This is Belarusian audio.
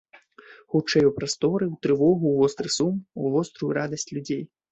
Хутчэй у прасторы, у трывогу, у востры сум, у вострую радасць людзей!